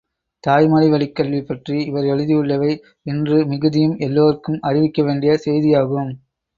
தாய்மொழி வழிக்கல்வி பற்றி இவர் எழுதியுள்ளவை இன்று, மிகுதியும் எல்லோர்க்கும் அறிவிக்க வேண்டிய செய்தியாகும்.